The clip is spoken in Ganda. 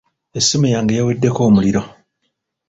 Essimu yange yaweddeko omuliro.